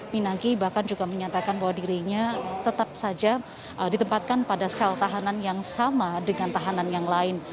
pinangki bahkan juga menyatakan bahwa dirinya tetap saja ditempatkan pada sel tahanan yang sama dengan tahanan yang lain